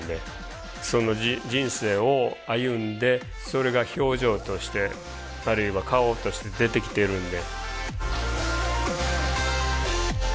その人生を歩んでそれが表情としてあるいは顔として出てきてるんで。